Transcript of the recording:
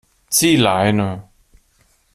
Zieh Leine!